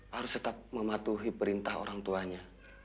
harus tetap mematuhi perintah orang tuanya